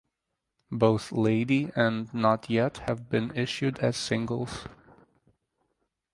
Both "Lady" and "Not Yet" have been issued as singles.